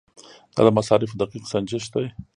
دا د مصارفو دقیق سنجش دی.